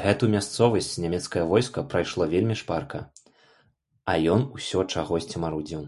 Гэту мясцовасць нямецкае войска прайшло вельмі шпарка, а ён усё чагосьці марудзіў.